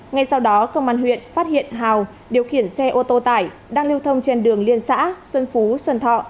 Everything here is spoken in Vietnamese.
ngay sau đó công an huyện phát hiện hào điều khiển xe ô tô tải đang lưu thông trên đường liên xã xuân phú xuân thọ